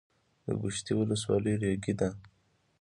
د ګوشتې ولسوالۍ ریګي ده